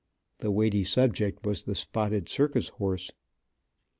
The weighty subject was the spotted circus horse.